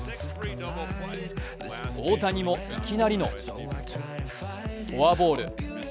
大谷もいきなりのフォアボール。